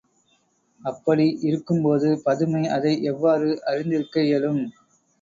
அப்படி இருக்கும்போது பதுமை அதை எவ்வாறு அறிந்திருக்க இயலும்?